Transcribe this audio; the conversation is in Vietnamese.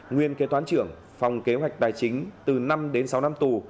nguyên kế toán trưởng phòng kế hoạch tài chính từ năm đến sáu năm tù